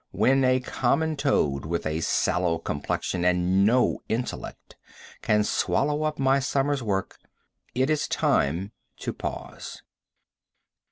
When a common toad, with a sallow complexion and no intellect, can swallow up my summer's work, it is time to pause.